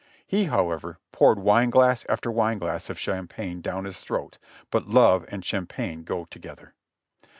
He, how ever, poured wine glass after wine glass of champagne down his throat, but love and champagne go together.